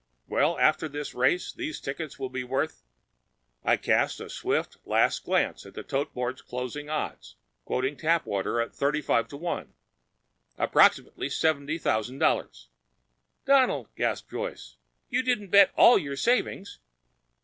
Well, after this race these tickets will be worth—" I cast a swift last glance at the tote board's closing odds, quoting Tapwater at 35 to 1—"approximately seventy thousand dollars!" "Donald!" gasped Joyce. "You didn't bet all your savings?"